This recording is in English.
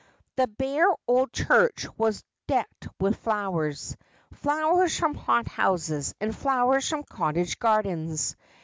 The bare old church was decked with flowers — flowers from hothouses, and flowers from cottage gardens.